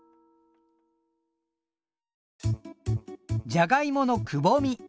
じゃがいものくぼみ。